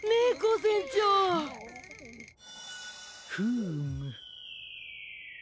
フーム。